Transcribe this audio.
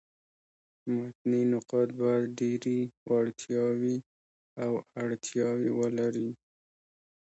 متني نقاد باید ډېري وړتیاوي او اړتیاوي ولري.